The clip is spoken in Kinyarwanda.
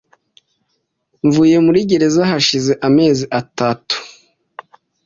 Mvuye muri gereza hashize amezi atatu.